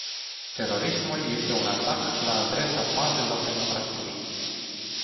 Terorismul este un atac la adresa bazelor democrației.